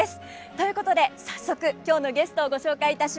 ということで早速今日のゲストをご紹介いたします。